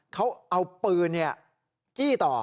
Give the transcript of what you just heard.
เขาเอาปืนจี้ต่อ